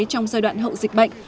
trong giai đoạn hậu dịch bệnh